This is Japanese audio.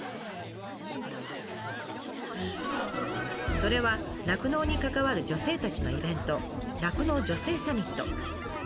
それは酪農に関わる女性たちのイベント「酪農女性サミット」。